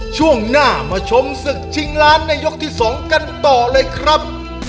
ช่วงหน้ามาชมศึกชิงล้านในยกที่๒กันต่อเลยครับ